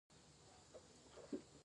د فولادو په تولید کې لومړی دي.